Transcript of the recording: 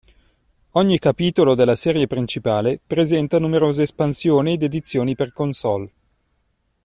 Ogni capitolo della serie principale presenta numerose espansioni ed edizioni per console.